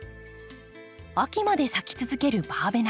秋まで咲き続けるバーベナ。